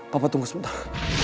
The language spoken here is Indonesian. papa tunggu sebentar